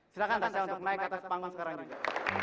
silahkan tasya untuk naik ke atas panggung sekarang juga